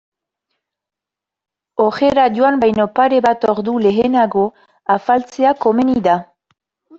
Ohera joan baino pare bat ordu lehenago afaltzea komeni da.